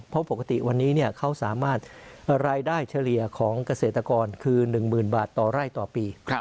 เพราะปกติวันนี้เขาสามารถรายได้เฉลี่ยของเกษตรกรคือ๑๐๐๐บาทต่อไร่ต่อปี